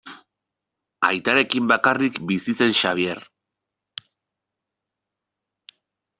Aitarekin bakarrik bizi zen Xabier.